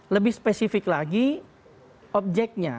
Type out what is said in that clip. lebih spesifik lagi objeknya